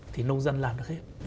thì nông dân làm được hết